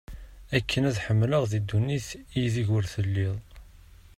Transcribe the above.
Akken ad hemleɣ di ddunit ideg ur telliḍ